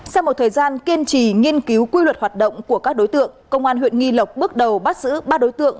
sau một thời gian kiên trì nghiên cứu quy luật hoạt động của các đối tượng công an huyện nghi lộc bước đầu bắt giữ ba đối tượng